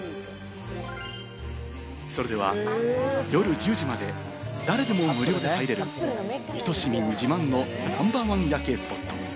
それでは、夜１０時まで誰でも無料で入れる水戸市民自慢のナンバー１夜景スポット！